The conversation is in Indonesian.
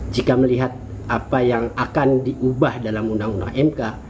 jika melihat apa yang akan diubah dalam undang undang mk